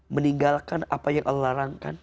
meninggalkan apa yang allah larangkan